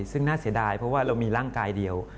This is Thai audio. ซึ่งน่าเสียดายเพราะว่าเรามีร่างกายเดียว